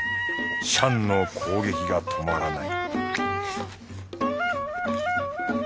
シャンの攻撃が止まらない